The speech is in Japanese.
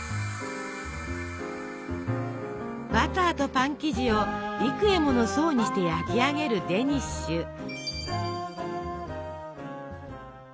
バターとパン生地を幾重もの層にして焼き上げるデニッシュ。